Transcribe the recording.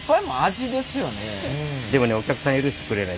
でもねお客さんは許してくれない。